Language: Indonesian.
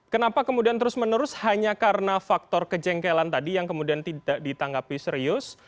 kenapa kemudian terus menerus hanya karena faktor kejengkelan tadi yang kemudian tidak ditanggapi serius